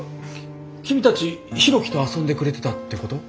君たち博喜と遊んでくれてたってこと？